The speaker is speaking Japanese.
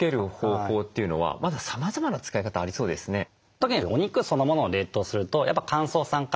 特にお肉そのものを冷凍するとやっぱ乾燥酸化